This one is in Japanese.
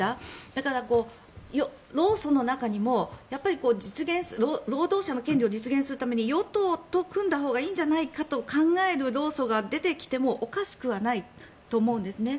だから、労組の中にも労働者の権利を実現するために与党と組んだほうがいいんじゃないかと考える労組が出てきてもおかしくはないと思うんですね。